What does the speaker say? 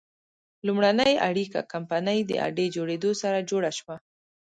لومړنۍ اړیکه کمپنۍ د اډې جوړېدو سره جوړه شوه.